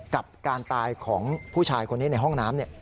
กับการตายของผู้ชายคนนี้ในห้องน้ำ